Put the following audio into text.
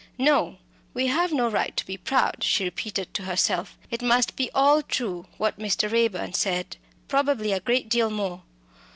"No, we have no right to be proud," she repeated to herself. "It must be all true what Mr. Raeburn said probably a great deal more.